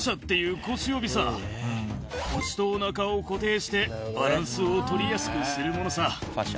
腰とお腹を固定してバランスを取りやすくするものさ。